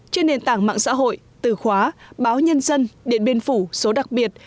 trên nền tảng mạng xã hội từ khóa báo nhân dân điện biên phủ số đặc biệt